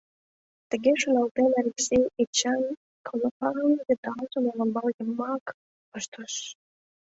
Тыге шоналтен, Элексей Эчан калыпан йыдалжым олымбал йымак пыштыш.